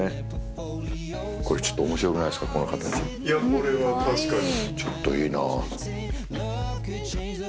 これは確かに。